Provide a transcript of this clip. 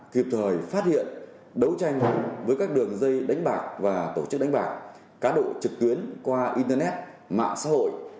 kịp thời phát hiện đấu tranh với các đường dây đánh bạc và tổ chức đánh bạc cá độ trực tuyến qua internet mạng xã hội